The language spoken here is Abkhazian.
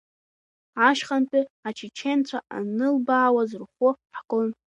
Ашьхантәи ачеченцәа анлыбаауаз рхәы ҳгон.